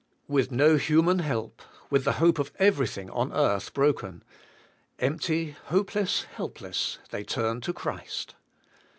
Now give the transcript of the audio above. With no human help, with the hope of everything on earth broken, empty, hopeless, helpless, they turn to Christ.